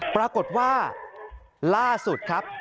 ปรากฏว่าล่าสุดครับ